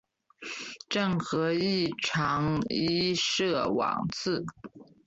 郑和亦尝裔敕往赐。